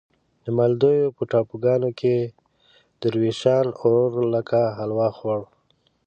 د مالدیو په ټاپوګانو کې دروېشان اور لکه حلوا خوړ.